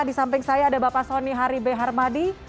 di samping saya ada bapak soni hari b harmadi